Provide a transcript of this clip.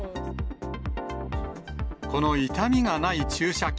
この痛みがない注射器。